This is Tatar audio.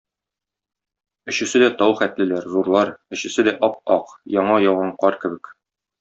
Өчесе дә тау хәтлеләр, зурлар, өчесе дә ап-ак, яңа яуган кар кебек.